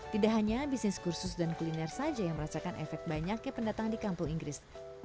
tidak hanya bisnis kursus dan kuliner saja yang merasakan efek banyaknya pendatang di kampung inggris